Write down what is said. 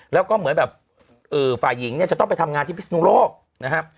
แล้วก็เหมือนแบบฝ่ายหญิงเนี่ยจะต้องไปทำงานที่พิศนุโลกนะครับ